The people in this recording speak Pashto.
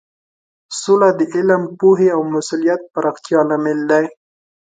سوله د علم، پوهې او مسولیت پراختیا لامل دی.